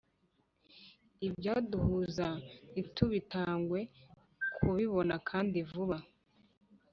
ibyaduhuza ntitubitangwe kubibona kandi vuba